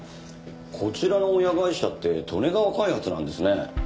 こちらの親会社って利根川開発なんですね。